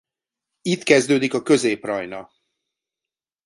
Itt kezdődik a Közép-Rajna.